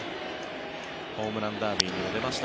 ホームランダービーにも出ました